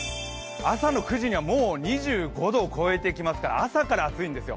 朝の９時にはもう２５度を超えてきますから、朝から暑いんですよ。